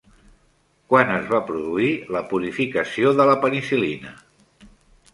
Quan es va produir la purificació de la penicil·lina?